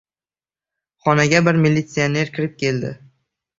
Xonaga bir militsioner kirib keldi.